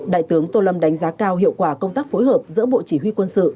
đại tướng tô lâm đánh giá cao hiệu quả công tác phối hợp giữa bộ chỉ huy quân sự